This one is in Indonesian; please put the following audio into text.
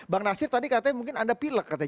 bang nasir tadi katanya mungkin anda pilek katanya